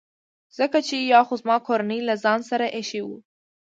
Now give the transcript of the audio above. ځکه چي یا خو زما کورنۍ له ځان سره ایښي وو.